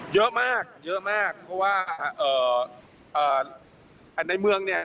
เยอะมากเยอะมากเพราะว่าอ่าอ่าอันในเมืองเนี่ย